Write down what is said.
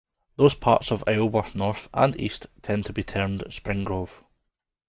Those parts of Isleworth north and east tend to be termed Spring Grove.